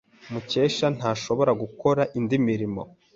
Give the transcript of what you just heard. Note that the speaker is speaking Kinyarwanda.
Mukesha ntashobora gukora indi mirimo.